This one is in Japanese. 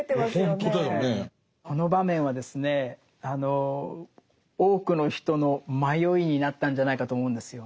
この場面はですね多くの人の迷いになったんじゃないかと思うんですよ。